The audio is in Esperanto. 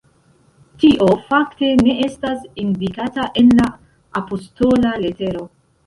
Tio fakte ne estas indikata en la apostola letero”.